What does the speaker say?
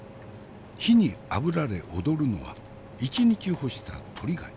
火にあぶられ踊るのは１日干したトリ貝。